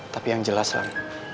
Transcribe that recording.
tapi yang jelas lan